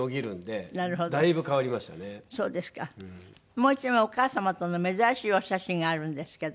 もう１枚お母様との珍しいお写真があるんですけど。